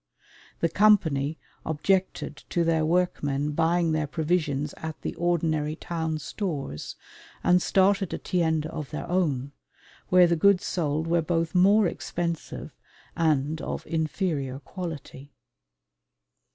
The Company objected to their workmen buying their provisions at the ordinary town stores and started a tienda of their own, where the goods sold were both more expensive and of inferior quality.